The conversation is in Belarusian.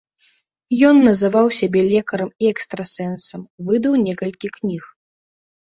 Ён называў сябе лекарам і экстрасэнсам, выдаў некалькіх кніг.